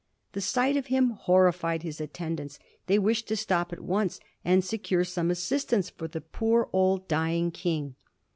The sight of him horrified his attendants ; they wished to stop at once and secure some assistance for the poor old dying King.